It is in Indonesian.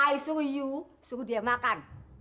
i suruh you suruh dia makan